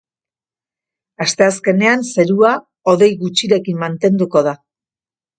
Asteazkenean zerua hodei gutxirekin mantenduko da.